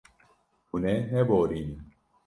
Hûn ê neborînin.